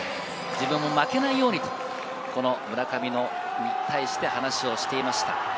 自分も負けないようにと、村上に対して話をしていました。